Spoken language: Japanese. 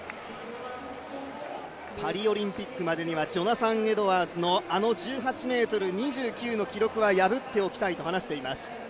パリオリンピックまでにはジョナサン・エドワーズのあの１８ｍ２９の記録は破っておきたいと話しています。